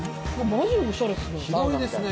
マジおしゃれっすね。